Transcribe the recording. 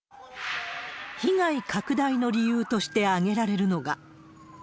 被害拡大の理由として挙げられるのが。